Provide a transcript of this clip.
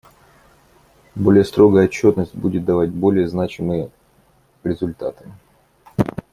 Более строгая отчетность будет давать более значимые результаты.